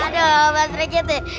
aduh pak serigiti